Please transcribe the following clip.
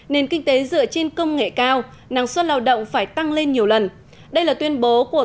nền kinh tế dựa trên công nghệ cao năng suất lao động phải tăng lên nhiều lần đây là tuyên bố của